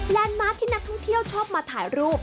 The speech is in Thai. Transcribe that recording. มาร์คที่นักท่องเที่ยวชอบมาถ่ายรูป